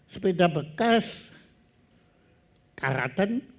sepeda bekas karatan